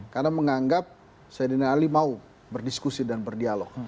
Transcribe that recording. karena menganggap saidina ali mau berdiskusi dan berdialog